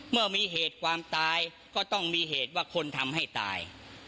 เมื่อมีเหตุความตายก็ต้องมีเหตุว่าคนทำให้ตาย